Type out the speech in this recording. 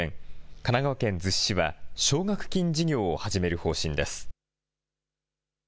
神奈川県逗子市は奨学金事業を始める方針です。